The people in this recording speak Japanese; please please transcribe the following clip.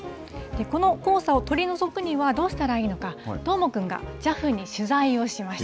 この黄砂を取り除くにはどうしたらいいのか、どーもくんがＪＡＦに取材をしました。